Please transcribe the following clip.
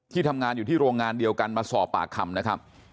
ทำงานอยู่ที่โรงงานเดียวกันมาสอบปากคำนะครับ